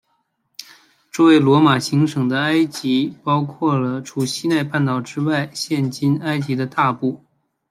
作为罗马行省的埃及包括了除西奈半岛之外现今埃及的大部。